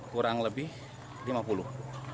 kurang lebih lima puluh